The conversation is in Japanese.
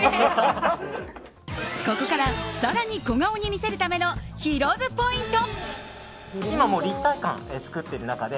ここから更に小顔に見せるためのヒロ’ｓポイント。